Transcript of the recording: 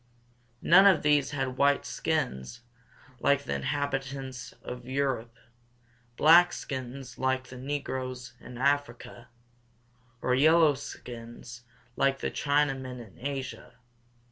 None of these had white skins like the inhabitants of Europe, black skins like the negroes in Africa, or yellow skins like the Chinamen in Asia.